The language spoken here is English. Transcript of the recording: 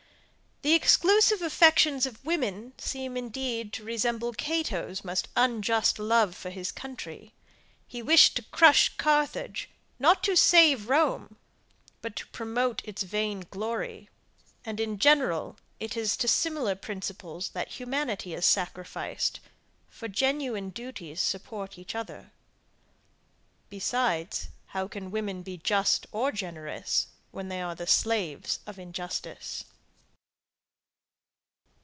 The exclusive affections of women seem indeed to resemble Cato's most unjust love for his country. He wished to crush Carthage, not to save Rome, but to promote its vain glory; and in general, it is to similar principles that humanity is sacrificed, for genuine duties support each other. Besides, how can women be just or generous, when they are the slaves of injustice.